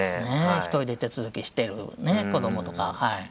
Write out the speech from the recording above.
一人で手続きしてる子どもとか。